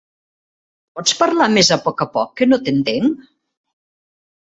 Pots parlar més a poc a poc, que no t'entenc?